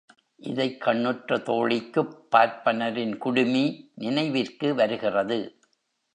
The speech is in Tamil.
இதைக்கண்ணுற்ற தோழிக்குப் பார்ப்பனரின் குடுமி நினைவிற்கு வருகிறது.